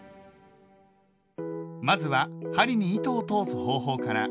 まずは針に糸を通す方法から。